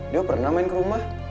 dia pernah main ke rumah